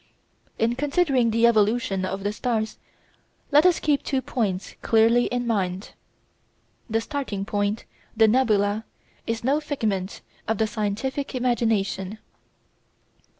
In considering the evolution of the stars let us keep two points clearly in mind. The starting point, the nebula, is no figment of the scientific imagination.